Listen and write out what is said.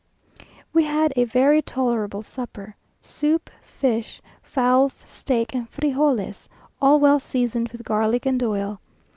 We had a very tolerable supper; soup, fish, fowls, steak, and frijoles, all well seasoned with garlic and oil.